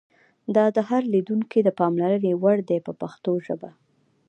دا د هر لیدونکي د پاملرنې وړ دي په پښتو ژبه.